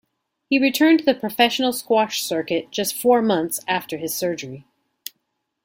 He returned to the professional squash circuit just four months after his surgery.